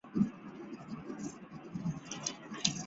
左翼民主阵线是印度喀拉拉邦的一个左翼政党联盟。